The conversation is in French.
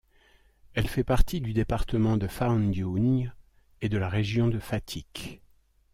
Elle fait partie du département de Foundiougne et de la région de Fatick.